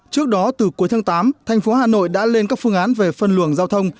trước đó từ cuối tháng tám thành phố hà nội đã lên các phương án về phân luồng giao thông